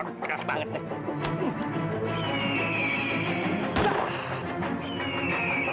ras banget eh